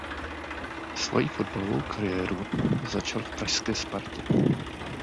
Svoji fotbalovou kariéru začal v pražské Spartě.